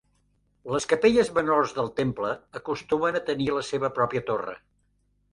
Les capelles menors del temple acostumen a tenir la seva pròpia torre.